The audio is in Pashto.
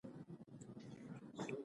ولس د پرمختګ اصلي ځواک دی.